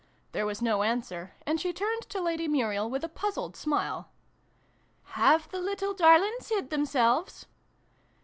There was no answer, and she turned to Lady Muriel with a puzzled smile. " Have the little darlings hid themselves